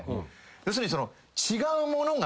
要するに。